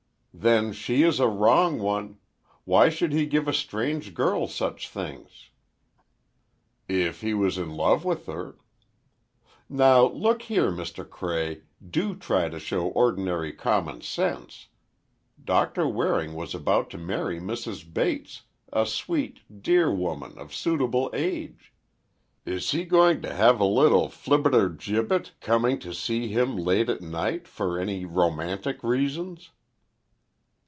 "Then she is a wrong one! Why should he give a strange girl such things?" "If he was in love with her—" "Now, look here, Mr. Cray, do try to show ordinary common sense! Doctor Waring was about to marry Mrs. Bates, a sweet, dear woman, of suitable age. Is he going to have a little flibbertigibbet coming to see him late at night, for any romantic reasons?"